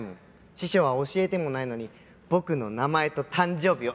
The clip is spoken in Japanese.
師匠は教えてもないのに僕の名前と誕生日を当てたんだからな。